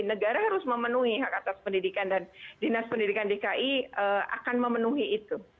negara harus memenuhi hak atas pendidikan dan dinas pendidikan dki akan memenuhi itu